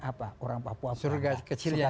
apa orang papua surga kecil yang